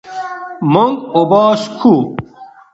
مونږ اوبه څښو.